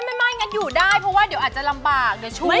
ไม่งั้นอยู่ได้เพราะว่าเดี๋ยวอาจจะลำบากเดี๋ยวช่วย